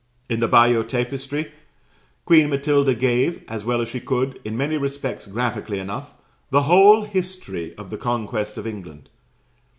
In the Bayeux tapestry, Queen Matilda gave, as well as she could, in many respects graphically enough, the whole history of the conquest of England.